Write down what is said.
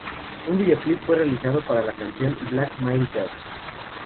Un videoclip fue realizado para la canción "Black Mighty Gods".